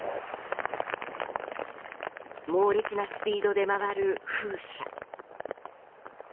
猛烈なスピードで回る風車。